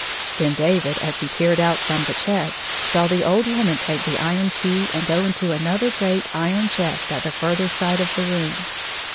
Then David, as he peered out from the chest, saw the old woman take the iron key and go to another great iron chest at the ftirther side of the room.